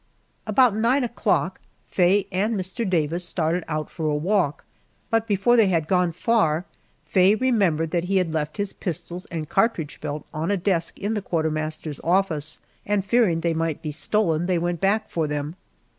About nine o'clock Faye and Mr. Davis started out for a walk, but before they had gone far Faye remembered that he had left his pistols and cartridge belt on a desk in the quartermaster's office, and fearing they might be stolen they went back for them.